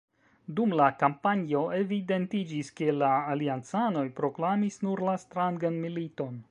Dum la kampanjo evidentiĝis ke la aliancanoj proklamis nur la strangan militon.